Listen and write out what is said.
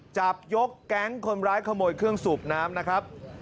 จับยกแก๊งคนร้ายขโมยเครื่องสูบน้ำนะครับ